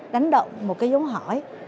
đánh động một cái dấu hỏi